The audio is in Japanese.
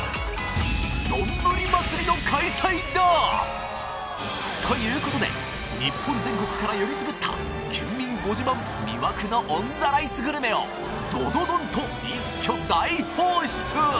丼祭の開催だ！ということで日本全国から選りすぐった県民ご自慢魅惑のオンザライスグルメをドドドンと一挙大放出！